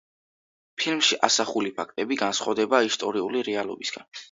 ფილმში ასახული ფაქტები განსხვავდება ისტორიული რეალობისგან.